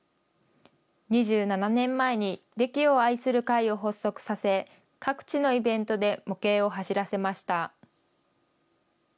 ２７年前にデキを愛する会を発足させ、各地のイベントで模型を走らせました。